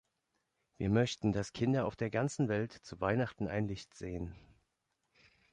Wir möchten, dass Kinder auf der ganzen Welt zu Weihnachten ein Licht sehen.